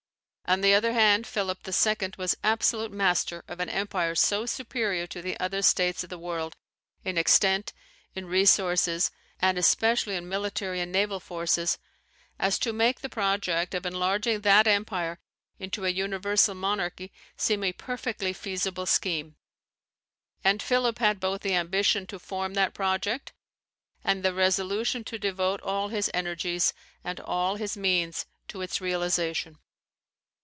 On the other hand Philip II, was absolute master of an empire so superior to the other states of the world in extent, in resources and especially in military and naval forces, as to make the project of enlarging that empire into a universal monarchy seem a perfectly feasible scheme; and Philip had both the ambition to form that project, and the resolution to devote all his energies, and all his means, to its realization.